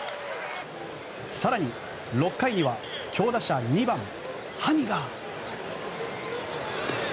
更に、６回には強打者２番のハニガー。